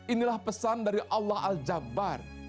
inilah pesan dari allah al jabbar